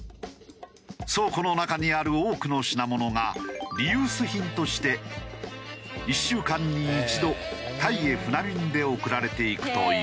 倉庫の中にある多くの品物がリユース品として１週間に１度タイへ船便で送られていくという。